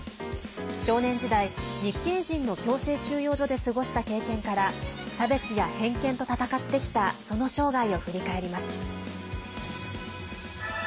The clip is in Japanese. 少年時代、日系人の強制収容所で過ごした経験から差別や偏見と闘ってきたその生涯を振り返ります。